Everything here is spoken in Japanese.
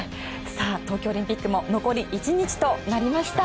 東京オリンピックも残り１日となりました。